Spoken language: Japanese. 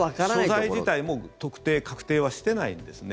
所在自体も特定、確定はしていないんですね。